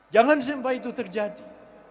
jangan sampai itu terjadi